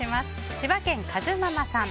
千葉県の方。